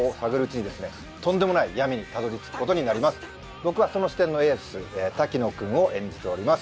僕はその支店のエース滝野君を演じております。